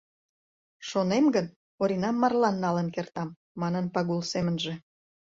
«Шонем гын, Оринам марлан налын кертам», — манын Пагул семынже.